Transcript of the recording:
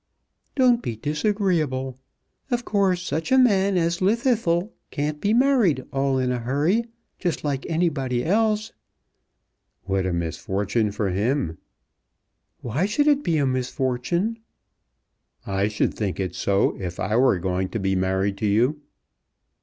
"Don't be disagreeable. Of course such a man as Llwddythlw can't be married all in a hurry just like anybody else." "What a misfortune for him!" "Why should it be a misfortune?" "I should think it so if I were going to be married to you."